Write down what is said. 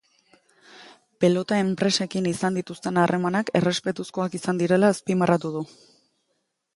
Pelota enpresekin izan dituzten harremanak errespetuzkoak izan direla azpimarratu du.